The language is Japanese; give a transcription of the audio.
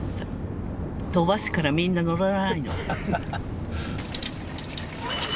飛ばすからみんな乗らないの。